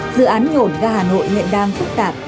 dự án nhổn ra hà nội hiện đang phức tạp